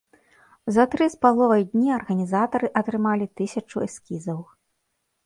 За тры з паловай дні арганізатары атрымалі тысячу эскізаў.